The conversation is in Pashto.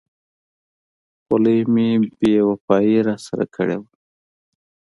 خولۍ مې بې وفایي را سره کړې وه.